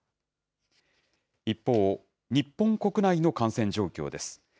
一方、日本国内の感染状況です。